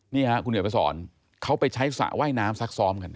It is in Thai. นี่ค่ะคุณเดี๋ยวมาสอนเขาไปใช้สระว่ายน้ำซักซ้อมกัน